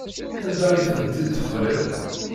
Anda ay tent-id-teqliḍ?